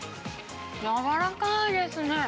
柔らかいですね。